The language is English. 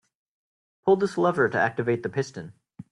Pull this lever to activate the piston.